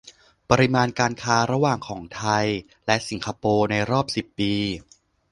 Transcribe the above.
ปริมาณการค้าระหว่างของไทยและสิงคโปร์ ในรอบสิบปี